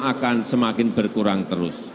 akan semakin berkurang terus